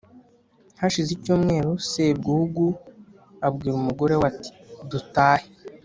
hashize icyumweru, sebwugugu abwira umugore we ati:dutahe